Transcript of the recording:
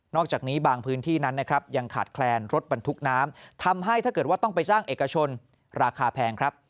อกจากนี้บางพื้นที่นั้นนะครับยังขาดแคลนรถบรรทุกน้ำทำให้ถ้าเกิดว่าต้องไปสร้างเอกชนราคาแพงครับ